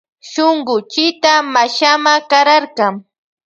Shunkullita mashama kararka.